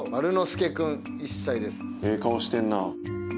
ええ顔してんな。